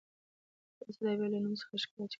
ولسي ادبيات له نوم څخه ښکاري چې په ولس کې ريښه لري.